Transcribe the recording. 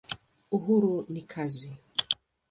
Uhuru ni kazi.